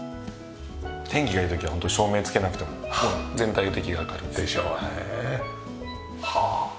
天気がいい時はホントに照明つけなくてももう全体的に明るくて。でしょうね。はあ。